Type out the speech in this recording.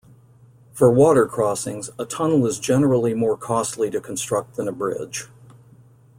For water crossings, a tunnel is generally more costly to construct than a bridge.